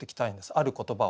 ある言葉を。